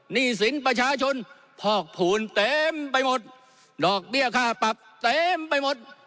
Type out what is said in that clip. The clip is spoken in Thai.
หนี้สินประชาชนพอกภูมิเต็มไปหมดดอกเบี้ยค่าปรับเต็มไปหมด